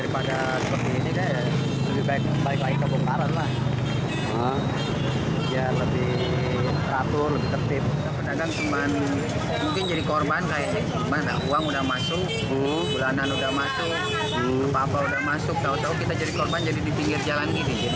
pembeli pembeli lagi berjualan